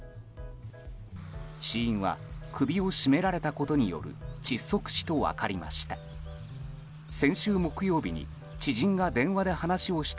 死因は首を絞められたことによる窒息死と分かりました。